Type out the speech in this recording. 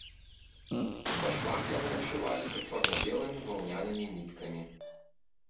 Па швах яны абшываліся чорна-белымі ваўнянымі ніткамі.